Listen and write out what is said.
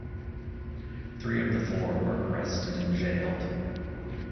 Three of the four were arrested and jailed.